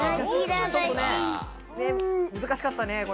難しかったね。